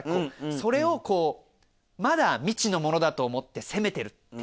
それをまだ未知のものだと思って攻めてるっていうのが。